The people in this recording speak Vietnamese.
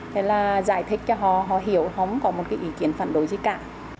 thế là giải thích cho họ họ hiểu không có một cái ý kiến phản đối gì cả